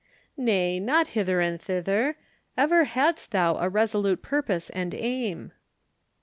"Nay; not hither and thither. Ever hadst thou a resolute purpose and aim."